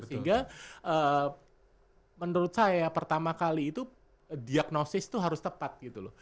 sehingga menurut saya pertama kali itu diagnosis itu harus tepat gitu loh